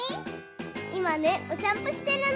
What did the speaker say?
いまねおさんぽしてるの！